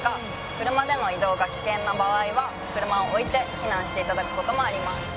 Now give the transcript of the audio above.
車での移動が危険な場合は車を置いて避難して頂く事もあります。